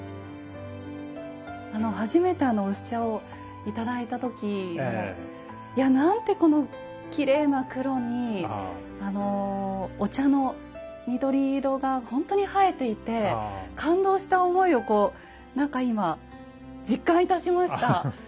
あの初めて薄茶を頂いた時いやなんてこのきれいな黒にあのお茶の緑色がほんとに映えていて感動した思いをこう何か今実感いたしました。